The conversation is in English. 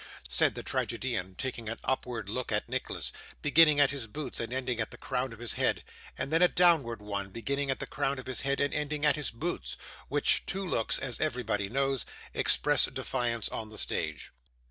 said the tragedian, taking an upward look at Nicholas, beginning at his boots and ending at the crown of his head, and then a downward one, beginning at the crown of his head, and ending at his boots which two looks, as everybody knows, express defiance on the stage.